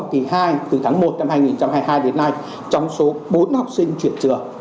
từ tháng một năm hai nghìn hai mươi hai đến nay trong số bốn học sinh chuyển trường